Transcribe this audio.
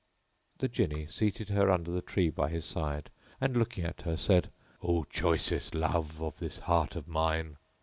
The Jinni seated her under the tree by his side and looking at her said, "O choicest love of this heart of mine!